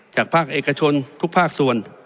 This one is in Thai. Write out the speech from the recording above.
จากภาคเอกชนทุกภาคส่วน